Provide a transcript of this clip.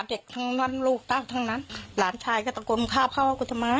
เด็กทั้งนั้นลูกตั้งทั้งนั้นหลานชายก็ตะโกนฆ่าเขาว่ากูทำไม